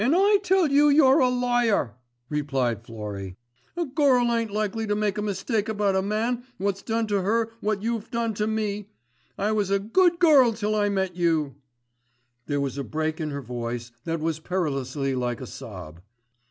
"And I tell you you're a liar," replied Florrie. "A gurl ain't likely to make a mistake about a man what's done to her what you've done to me. I was a good gurl till I met you." There was a break in her voice that was perilously like a sob.